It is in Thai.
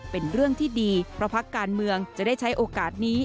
เป็นเรื่องที่ดีเพราะพักการเมืองจะได้ใช้โอกาสนี้